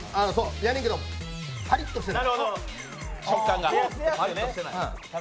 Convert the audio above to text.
やねんけど、パリッとしてた。